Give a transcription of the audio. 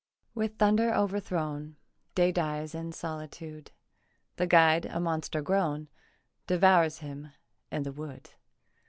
With thunder overthrown Day dies in solitude; The guide, a monster grown, Devours him in the wood.